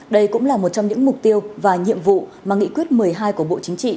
đây cũng là một trong những mục tiêu và nhiệm vụ mà nghị quyết một mươi hai của bộ chính trị